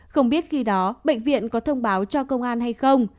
không biết khi đó bệnh viện có thông báo cho công an hay không